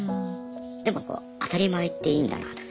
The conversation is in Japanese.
でもこう当たり前っていいんだなって。